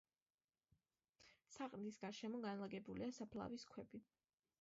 საყდრის გარშემო განლაგებულია საფლავის ქვები.